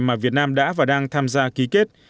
mà việt nam đã và đang tham gia ký kết